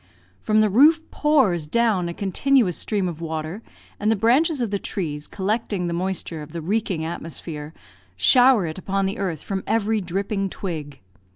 From the roof pours down a continuous stream of water, and the branches of the trees collecting the moisture of the reeking atmosphere, shower it upon the earth from every dripping twig.